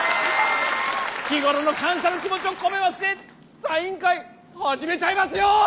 日頃の感謝の気持ちを込めましてサイン会始めちゃいますよ！